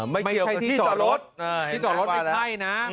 ไม่เกี่ยวกับที่จอดรถที่จอดรถไม่ใช่นะ